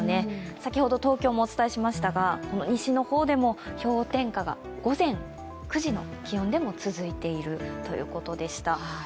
先ほど東京もお伝えしましたが、西の方でも氷点下が午前９時の気温でも続いているということでした。